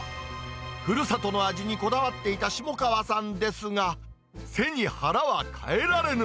ふるさとの味にこだわっていた下川さんですが、背に腹は代えられぬ。